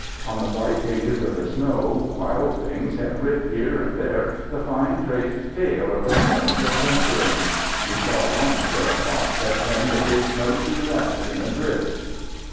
On the white pages of the snow wild things had writ here and there the fine traced tale of their morning's adventuring. We saw once where a fox had pinned a big snowshoe rabbit in a drift.